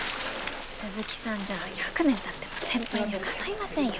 鈴木さんじゃ１００年たっても先輩にゃかないませんよ。